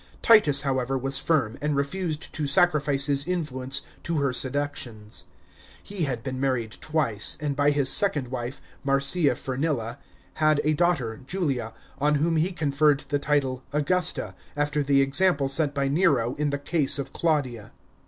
Titus, however, was firm, and refused to sacrifice his influence to her seductions. He had been married twice, and by his second wife, Marcia Furnilla, had a daughter Julia, on whom he conferred the title Augusta, after the example set by Nero in the case of Claudia.